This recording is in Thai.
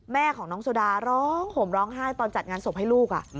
แม่ของน้องโซดาร้องห่มร้องไห้ตอนจัดงานศพให้ลูก